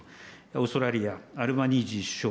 オーストラリアのアルバニージー首相